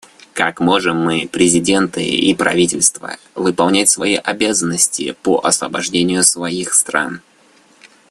Как можем мы, президенты и правительства, выполнять свои обязанности по освобождению своих стран?